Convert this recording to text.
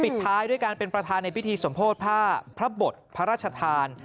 ท้ายด้วยการเป็นประธานในพิธีสมโพธิผ้าพระบทพระราชทาน